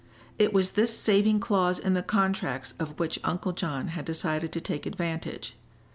It was this saving clause in the contracts of which Uncle John had decided to take advantage.